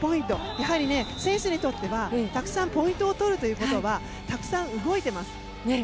やはり選手にとってはたくさんポイントを取るということはたくさん動いています。